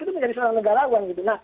itu menjadi seorang negarawan gitu